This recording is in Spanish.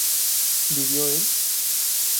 ¿vivió él?